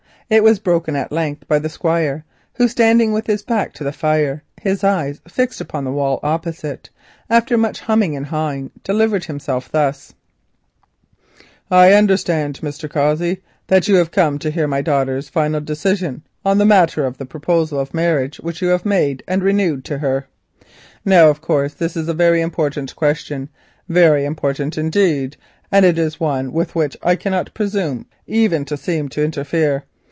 It was broken by the Squire, who, standing with his back to the fire, his eyes fixed upon the wall opposite, after much humming and hawing, delivered himself thus: "I understand, Mr. Cossey, that you have come to hear my daughter's final decision on the matter of the proposal of marriage which you have made and renewed to her. Now, of course, this is a very important question, very important indeed, and it is one with which I cannot presume even to seem to interfere.